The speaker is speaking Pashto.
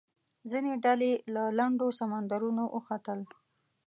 ځینې ډلې له لنډو سمندرونو اوښتل.